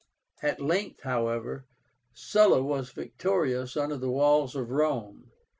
At length, however, Sulla was victorious under the walls of Rome.